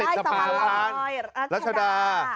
ที่มาติดใต้สวรรค์รัชดา